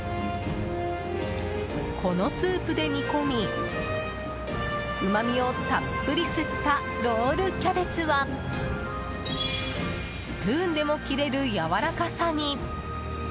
このスープで煮込みうまみをたっぷり吸ったロールキャベツはスプーンでも切れるやわらかさに。